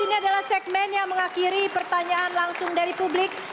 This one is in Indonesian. ini adalah segmen yang mengakhiri pertanyaan langsung dari publik